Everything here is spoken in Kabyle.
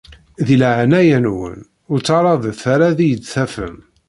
Di leɛnaya-nwen ur ttaɛraḍet ara ad iyi-d-tafem.